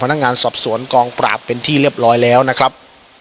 พนักงานสอบสวนกองปราบเป็นที่เรียบร้อยแล้วนะครับ